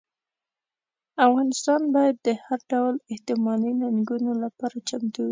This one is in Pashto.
افغانستان باید د هر ډول احتمالي ننګونو لپاره چمتو وي.